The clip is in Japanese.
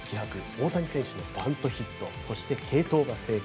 大谷選手のバントヒットそして継投が成功。